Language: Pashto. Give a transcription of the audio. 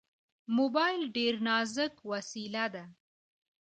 موبایل ډېر نازک وسیله ده.